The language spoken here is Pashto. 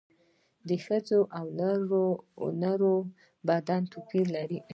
د ښځو او نارینه وو بدن توپیر لري